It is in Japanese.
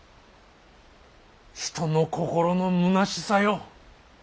人の心のむなしさよ。